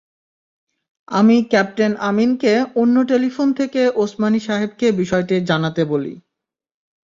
আমি ক্যাপ্টেন আমীনকে অন্য টেলিফোন থেকে ওসমানী সাহেবকে বিষয়টি জানাতে বলি।